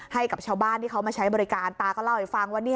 ให้กับชาวบ้านที่เขามาใช้บริการตาก็เล่าให้ฟังว่า